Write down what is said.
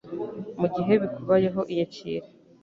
mu gihe bikubayeho iyakire